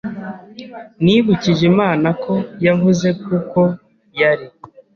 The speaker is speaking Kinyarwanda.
Nibukije Imana ko yavuze ko uko yari